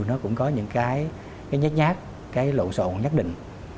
nó cũng có những cái nhát nhát cái lộn xộn nhất định